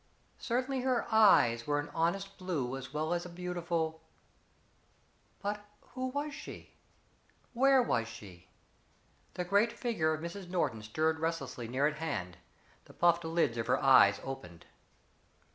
Certainly her eyes were an honest blue as well as a beautiful but who was she? Where was she? The great figure of Mrs. Norton stirred restlessly near at hand; the puffed lids of her eyes opened.